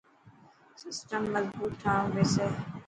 سسٽم مظبوت ٺاڻو پيسي.